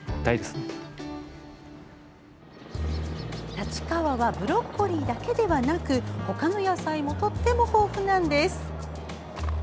立川はブロッコリーだけではなくほかの野菜もとっても豊富なんです。